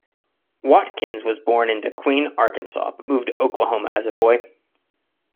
Watkins was born in De Queen, Arkansas but moved to Oklahoma as a boy.